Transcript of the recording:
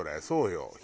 そうよ。